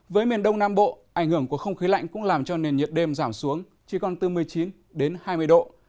với miền đông nam bộ ảnh hưởng của không khí lạnh cũng làm cho nền nhiệt đêm giảm xuống chỉ còn từ một mươi chín đến hai mươi độ